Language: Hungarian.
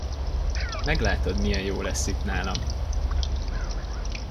Meglátod, milyen jó lesz itt nálam!